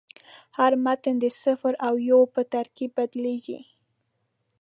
هر متن د صفر او یو په ترکیب بدلېږي.